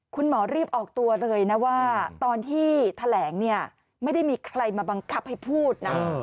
คุณหมอรีบออกตัวเลยนะว่าตอนที่แถลงเนี่ยไม่ได้มีใครมาบังคับให้พูดนะ